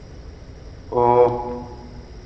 — О!